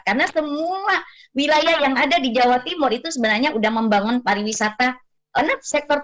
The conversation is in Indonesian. karena semua wilayah yang ada di jawa timur itu sebenarnya sudah membangun pariwisata